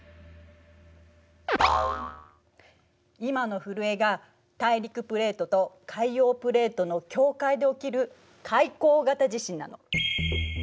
今の震えが大陸プレートと海洋プレートの境界で起きる「海溝型地震」なの。